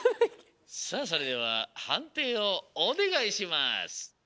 さあそれでははんていをおねがいします！